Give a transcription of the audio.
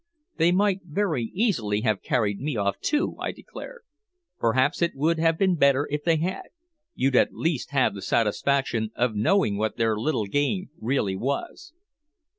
"They might very easily have carried me off too," I declared. "Perhaps it would have been better if they had. You'd at least have had the satisfaction of knowing what their little game really was!"